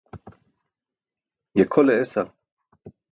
Ye khole esal!